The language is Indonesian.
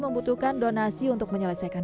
membutuhkan donasi untuk menyelesaikan